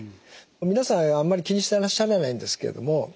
皆さんあんまり気にしてらっしゃらないんですけども